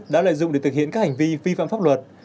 đã lợi dụng để thực hiện các hành vi vi phạm pháp luật